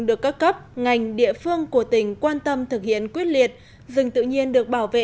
được các cấp ngành địa phương của tỉnh quan tâm thực hiện quyết liệt rừng tự nhiên được bảo vệ